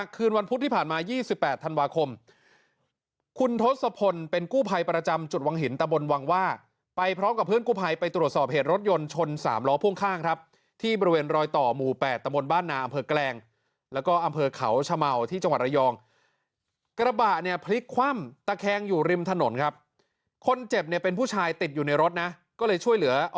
คืนวันพุธที่ผ่านมา๒๘ธันวาคมคุณทศพลเป็นกู้ภัยประจำจุดวังหินตะบนวังว่าไปพร้อมกับเพื่อนกู้ภัยไปตรวจสอบเหตุรถยนต์ชนสามล้อพ่วงข้างครับที่บริเวณรอยต่อหมู่๘ตะบนบ้านนาอำเภอแกลงแล้วก็อำเภอเขาชะเมาที่จังหวัดระยองกระบะเนี่ยพลิกคว่ำตะแคงอยู่ริมถนนครับคนเจ็บเนี่ยเป็นผู้ชายติดอยู่ในรถนะก็เลยช่วยเหลืออ